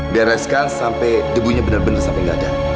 bereskan sampai debunya bener bener sampai gak ada